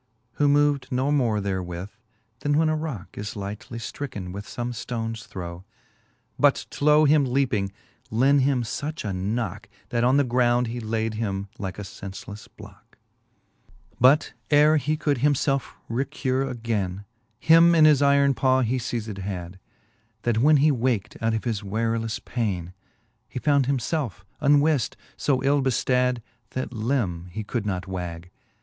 Who mov'd no more therewith, then when a rocke Is lightly ftricken with fom3 ftonss throw ; But to him leaping, lent him fuch a knocke, That on the ground he laid him like a fencelefle blocke. XXII. But ere he could him felfe recure againe, Him in his iron paw he lei zed had , That when he wak't out of his warelefle paine. He found him felfe unwift, fb ill beftad, That lim he could not wag.